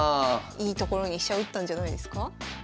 いいところに飛車打ったんじゃないですか？